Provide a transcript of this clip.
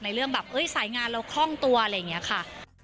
เรื่องแบบสายงานเราคล่องตัวอะไรอย่างนี้ค่ะ